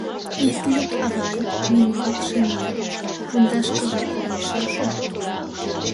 Ит лӱд, авай, мый нимат шым лий, пундашкыжак волен шым шу.